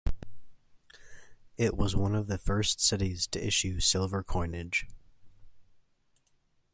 It was one of the first cities to issue silver coinage.